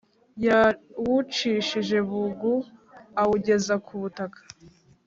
Yawucishije bugu awugeza ku butaka